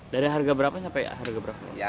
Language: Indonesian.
dari harga berapa sampai harga berapa